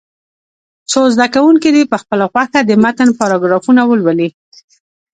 څو زده کوونکي دې په خپله خوښه د متن پاراګرافونه ولولي.